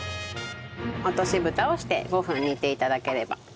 落とし蓋をして５分煮て頂ければ。